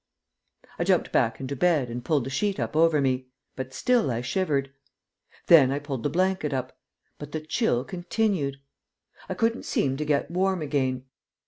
I jumped back into bed and pulled the sheet up over me; but still I shivered. Then I pulled the blanket up, but the chill continued. I couldn't seem to get warm again.